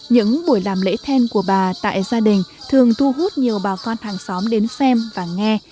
những buổi làm lễ then của bà tại gia đình thường thu hút nhiều bà con hàng xóm đến xem và nghe